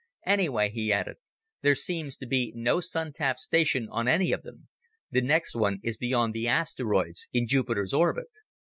Anyway," he added, "there seems to be no Sun tap station on any of them. The next one is beyond the asteroids, in Jupiter's orbit."